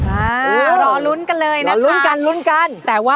อ่ารอลุ้นกันเลยนะค่ะ